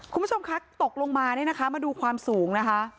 คุณผู้ชมคะตกลงมาเนี่ยนะคะมาดูความสูงนะคะ